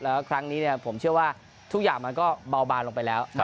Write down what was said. แล้วครั้งนี้ผมเชื่อว่าทุกอย่างมันก็เบาบางลงไปแล้ว